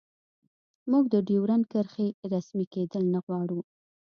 موږ د ډیورنډ کرښې رسمي کیدل نه غواړو